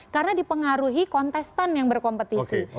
karena dipengaruhi kontestan yang berkompetisi